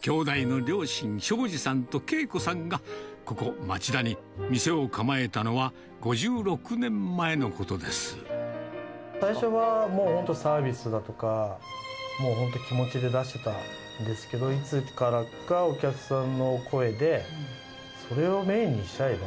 兄妹の両親、正次さんと啓子さんが、ここ町田に店を構えたのは５６年前のこと最初はもう、本当サービスだとか、もう本当、気持ちで出してたんですけど、いつからかお客さんの声で、それをメインにしちゃえば？